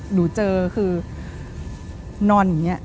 หนูเจอคือนอนอย่างนี้